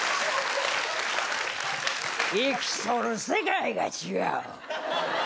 生きとる世界が違う。